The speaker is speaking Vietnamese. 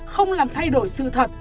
không làm thay đổi sự thật